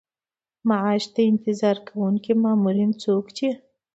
معاش ته انتظار کوونکی مامور څوک دی؟